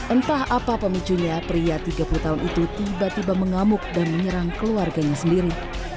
entah apa pemicunya pria tiga puluh tahun itu tiba tiba mengamuk dan menyerang keluarganya sendiri